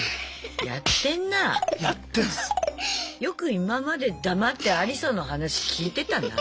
よく今まで黙ってアリサの話聞いてたな。